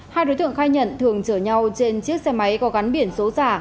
hai đối tượng khay nhẫn thường chở nhau trên chiếc xe máy có gắn biển số giả